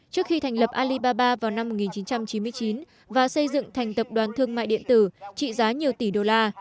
trước khi thành lập alibaba vào năm một nghìn chín trăm chín mươi chín và xây dựng thành tập đoàn thương mại điện tử trị giá nhiều tỷ đô la